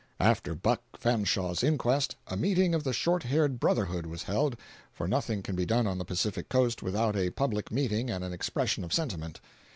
After Buck Fanshaw's inquest, a meeting of the short haired brotherhood was held, for nothing can be done on the Pacific coast without a public meeting and an expression of sentiment.